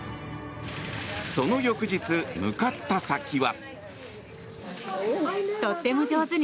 その翌日、向かった先は。